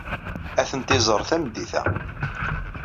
Ad tent-iẓer tameddit-a.